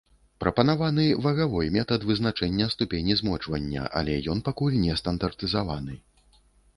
Прапанаваны вагавой метад вызначэння ступені змочвання, але ён пакуль не стандартызаваны.